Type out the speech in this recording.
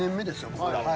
僕ら」。